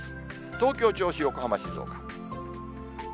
東京、銚子、横浜、静岡。